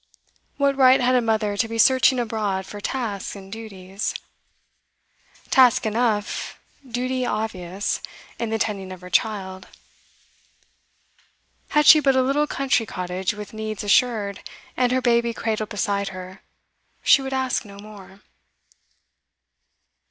What right had a mother to be searching abroad for tasks and duties? Task enough, duty obvious, in the tending of her child. Had she but a little country cottage with needs assured, and her baby cradled beside her, she would ask no more.